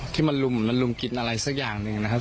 ที่มันลุมมันลุมกินอะไรสักอย่างหนึ่งนะครับ